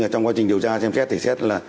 trong quá trình điều tra xem xét